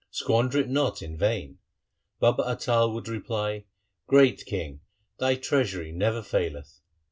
Squander it not in vain.' Baba Atal would reply, ' Great king, thy treasury never faileth.'